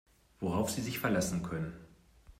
Worauf Sie sich verlassen können.